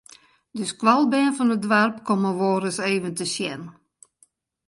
De skoalbern fan it doarp komme wolris even te sjen.